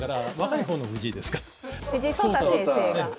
藤井聡太先生が聡太。